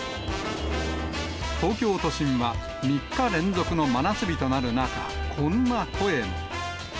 東京都心は３日連続の真夏日となる中、こんな声も。